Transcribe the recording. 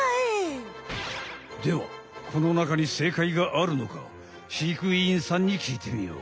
ではこの中に正解があるのか飼育員さんにきいてみよう。